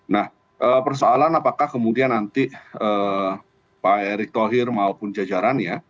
nah persoalan apakah kemudian nanti pak erick thohir maupun jajarannya